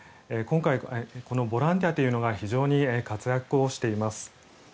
今回このボランティアというのが非常に活躍をしています。